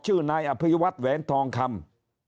ชื่อนายอภิวัตแหวนทองคำ